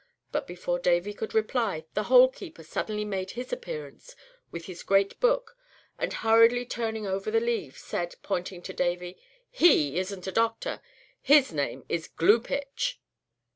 but before Davy could reply the Hole keeper suddenly made his appearance, with his great book, and, hurriedly turning over the leaves, said, pointing to Davy, "He isn't a doctor. His name is Gloopitch."